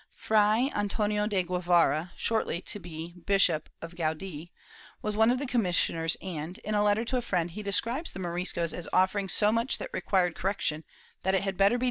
Fray Antonio de Guevara, shortly to be Bishop of Guadix, was one of the commissioners and, in a letter to a friend, he describes the Moriscos as offering so much that required correction that it had better be done in » MSS.